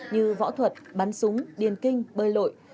như võ thuật bắn súng điên kinh bơi lội